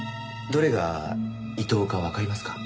どれがイトウかわかりますか？